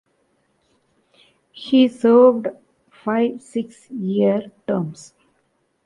He served five six-year terms.